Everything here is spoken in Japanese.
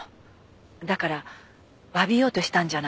だからわびようとしたんじゃないですか？